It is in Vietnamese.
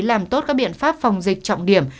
làm tốt các biện pháp phòng dịch trọng điểm